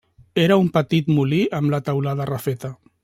Era un petit molí amb la teulada refeta.